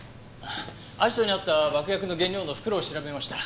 アジトにあった爆薬の原料の袋を調べました。